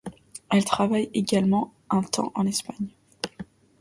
Elle travaille également un temps en Espagne.